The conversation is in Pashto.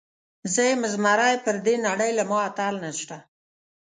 زه یم زمری، پر دې نړۍ له ما اتل نسته.